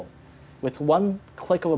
dengan satu klik buton